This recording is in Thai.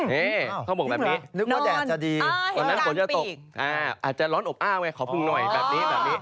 เฮ้ต้องบอกแบบนี้ตอนนั้นก็จะตกอาจจะร้อนอบอ้าวไงขอพึงหน่อยแบบนี้